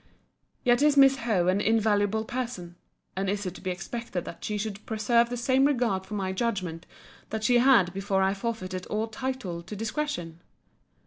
Yet is Miss Howe an invaluable person: And is it to be expected that she should preserve the same regard for my judgment that she had before I forfeited all title to discretion?